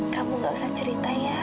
kamu gak usah cerita ya